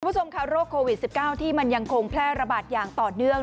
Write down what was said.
คุณผู้ชมค่ะโรคโควิด๑๙ที่มันยังคงแพร่ระบาดอย่างต่อเนื่อง